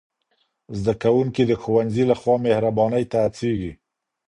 زدهکوونکي د ښوونځي له خوا مهربانۍ ته هڅېږي.